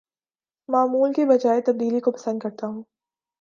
معمول کے بجاے تبدیلی کو پسند کرتا ہوں